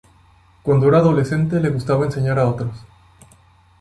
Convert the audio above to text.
Cuando era adolescente le gustaba enseñar a otros.